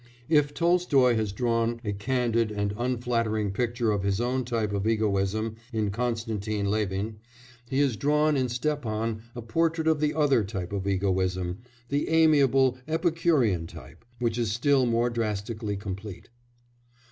If Tolstoy has drawn a candid and unflattering picture of his own type of egoism in Konstantin Levin, he has drawn in Stepan a portrait of the other type of egoism the amiable, Epicurean type which is still more drastically complete.